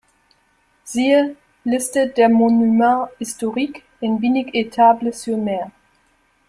Siehe: Liste der Monuments historiques in Binic-Étables-sur-Mer